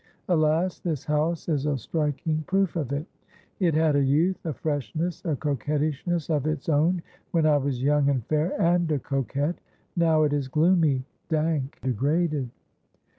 Alas, this house is a striking proof of it! It had a youth, a freshness, a coquettishness of its own, when I was young, and fair, and a coquette; now it is gloomy, dank, degraded...."